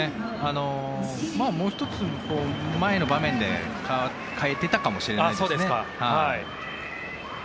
もう１つ前の場面で代えていたかもしれないですね。